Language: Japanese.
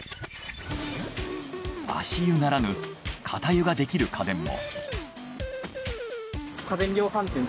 足湯ならぬ肩湯ができる家電も。